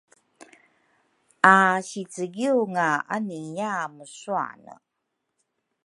Asicegiwnga aniiya muswane